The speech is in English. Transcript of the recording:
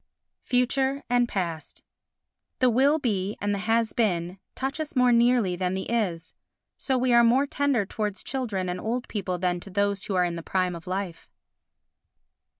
Future and Past The Will be and the Has been touch us more nearly than the Is. So we are more tender towards children and old people than to those who are in the prime of life.